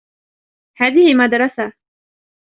هذه مدرسة.